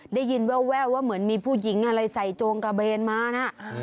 ได้ยินแววว่าเหมือนมีผู้หญิงอะไรใส่โจงกระเบนมานะ